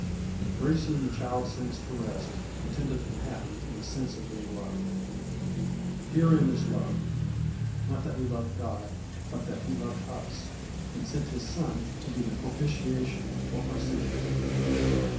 Very soon the child sinks to rest, contented and happy, in the sense of being loved. "Herein is love, not that we loved God, but that he loved us, and sent his Son to be the propitiation for our sins."